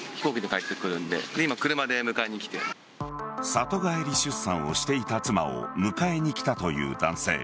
里帰り出産をしていた妻を迎えに来たという男性。